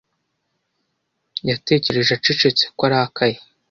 Yatekereje acecetse ko arakaye.